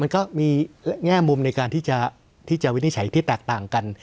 มันก็มีแง่มุมในการที่จะวินิจฉัยที่แตกต่างกัน